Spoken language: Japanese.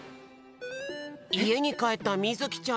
いえにかえったみずきちゃん。